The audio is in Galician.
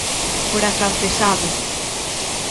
Por afrancesado!